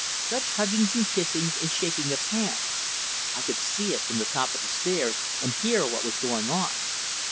Such huggings and kissings and shaking of hands. I could see it from the top of the stairs, and hear what was going on.